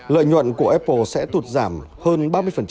lợi nhuận của apple sẽ tụt giảm hơn ba mươi